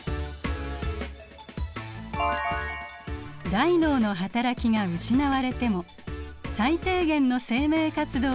大脳の働きが失われても最低限の生命活動は維持されます。